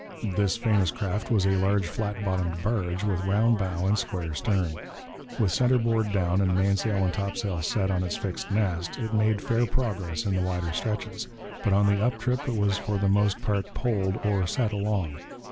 This famous craft was a large, flat bottomed barge, with round bow and square stern. With centre board down and mainsail and topsail set on its fixed mast, it made fair progress in the wider stretches. But on the up trip it was for the most part poled or 'set' along.